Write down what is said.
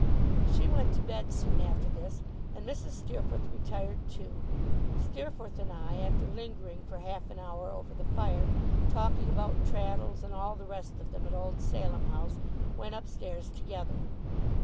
She went to bed soon after this, and Mrs. Steerforth retired too. Steerforth and I, after lingering for half an hour over the fire, talking about Traddles and all the rest of them at old Salem House, went upstairs together.